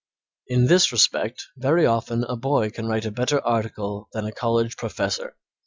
In this respect very often a boy can write a better article than a college professor.